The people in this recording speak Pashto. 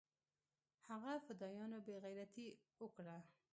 هغه فدايانو بې غيرتي اوکړه.